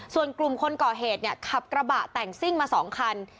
ส่วนกลุ่มคนก่อเหตุเนี่ยขับกระบะแต่งซิ่งมา๒คัน